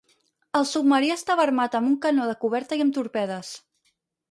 El submarí estava armat amb un canó de coberta i amb torpedes.